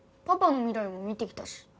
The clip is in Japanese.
パパの未来も見てきたし。